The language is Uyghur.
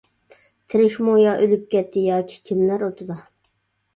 تىرىكمۇ، يا ئۆلۈپ كەتتى. ياكى كىملەر ئوتىدا.